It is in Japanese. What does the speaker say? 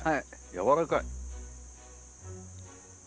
やわらかい。